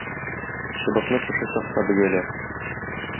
Чыбыкны пеше чакта бөгәләр.